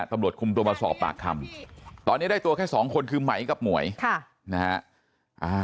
ตำรวจคุมตัวมาสอบปากคำตอนนี้ได้ตัวแค่สองคนคือไหมกับหมวยค่ะนะฮะ